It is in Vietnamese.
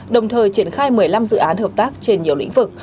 đồng thời triển khai một mươi năm dự án hợp tác trên nhiều lĩnh vực